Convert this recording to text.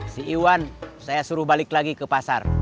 si iwan saya suruh balik lagi ke pasar